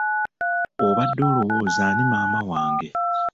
Obadde olowooza ani maama wange?